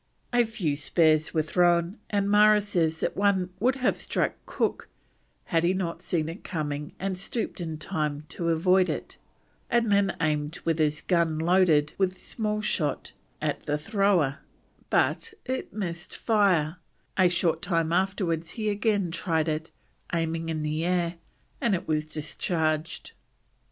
A few spears were thrown, and Marra says that one would have struck Cook had he not seen it coming and stooped in time to avoid it, and then aimed with his gun loaded with small shot at the thrower, but it missed fire; a short time afterwards he again tried it, aiming in the air, and it was discharged.